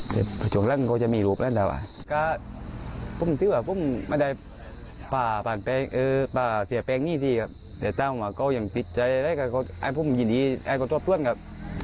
แต่ประจวบหลังก็จะมีรูปแล้วนะครับ